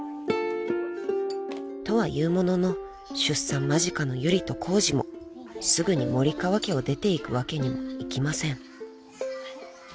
［とはいうものの出産間近のユリとコウジもすぐに森川家を出ていくわけにもいきません］